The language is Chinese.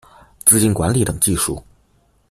资金管理等技术